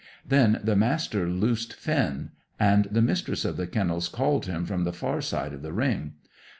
Then the Master loosed Finn, and the Mistress of the Kennels called him from the far side of the ring.